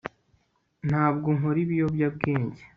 ntabwo nkora ibiyobyabwenge